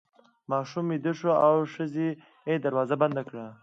ماشوم ویده شو او ښځې دروازه بنده کړه.